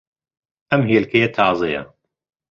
ئەم ھێلکەیە تازەیە.